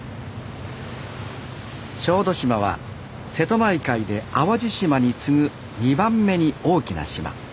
小豆島は瀬戸内海で淡路島に次ぐ２番目に大きな島。